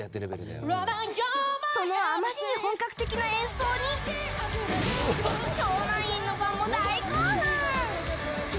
そのあまりに本格的な演奏に超満員のファンも大興奮！